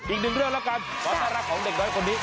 อีกหนึ่งเรื่องแล้วกันความน่ารักของเด็กน้อยคนนี้